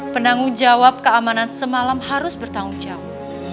penanggung jawab keamanan semalam harus bertanggung jawab